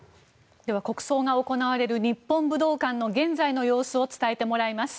では、国葬が行われる日本武道館の現在の様子を伝えてもらいます。